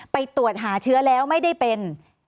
ไปตรวจหาเชื้อแล้วไม่ได้เป็น